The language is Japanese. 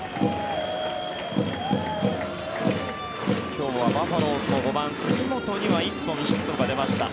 今日はバファローズの５番杉本には１本ヒットが出ました。